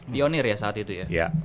pionir ya saat itu ya